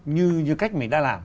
như cách mình đã làm